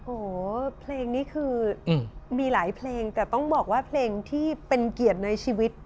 โอ้โหเพลงนี้คือมีหลายเพลงแต่ต้องบอกว่าเพลงที่เป็นเกียรติในชีวิต